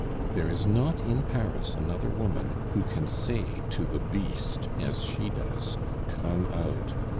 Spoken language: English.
There is not in Paris another woman who can say to the beast as she does: 'Come out!